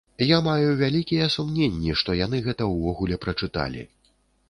Я маю вялікія сумненні, што яны гэта ўвогуле прачыталі.